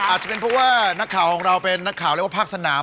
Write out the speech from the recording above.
อาจจะเป็นเพราะว่านักข่าวของเราเป็นนักข่าวเรียกว่าภาคสนาม